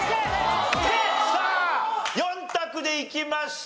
さあ４択でいきました。